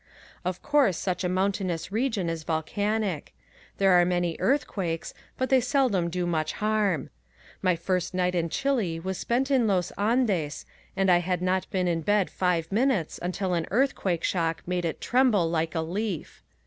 Of course such a mountainous region is volcanic. There are many earthquakes but they seldom do much harm. My first night in Chile was spent in Los Andes and I had not been in bed five minutes until an earthquake shock made it tremble like a leaf.